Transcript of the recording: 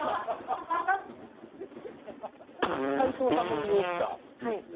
齊藤さんの身に起きたニュース。